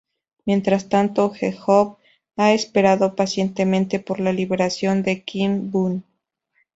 Mientras tanto Hee-Joo ha esperado pacientemente por la liberación de Kim-Bum.